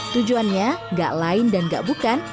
tujuannya gak lain dan gak bukan